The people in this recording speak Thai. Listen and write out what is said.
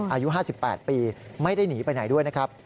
อายุ๕๘ปีไม่ได้หนีไปไหนด้วยนะครับ